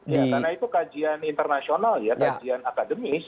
karena itu kajian internasional ya kajian akademis